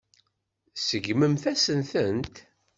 Tseggmemt-asen-tent.